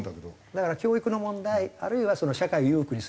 だから教育の問題あるいは社会を裕福にする。